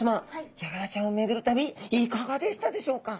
ヤガラちゃんを巡る旅いかがでしたでしょうか？